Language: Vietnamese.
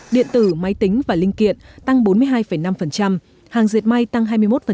điện tử máy tính và linh kiện tăng bốn mươi hai năm hàng diệt may tăng hai mươi một